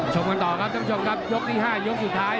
ชมกันต่อครับท่านผู้ชมครับยกที่๕ยกสุดท้าย